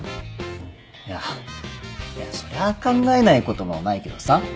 いやいやそりゃ考えないこともないけどさ。